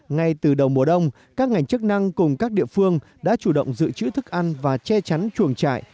ngay từ đầu mùa đông các ngành chức năng cùng các địa phương đã chủ động giữ chữ thức ăn và che chắn chuồng trại